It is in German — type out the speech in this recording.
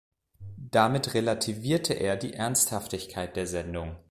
Damit relativierte er die Ernsthaftigkeit der Sendung.